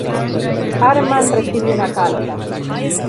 Armand recibe una carta.